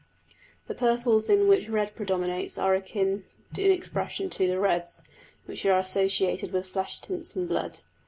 The purples in which red predominates are akin in expression to the reds, and are associated with flesh tints and blood.